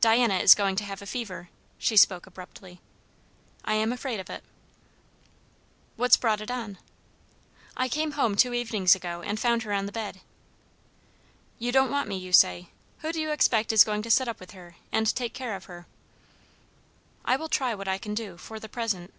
"Diana is going to have a fever," she spoke abruptly. "I am afraid of it." "What's brought it on?" "I came home two evenings ago and found her on the bed." "You don't want me, you say. Who do you expect is going to sit up with her and take care of her?" "I will try what I can do, for the present."